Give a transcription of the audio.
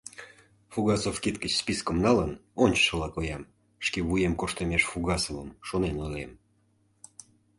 Фугасов кид гыч спискым налын, ончышыла коям, шке вуем корштымеш Фугасовым шонен ойлем: